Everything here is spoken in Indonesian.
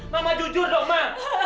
mama jujur dong ma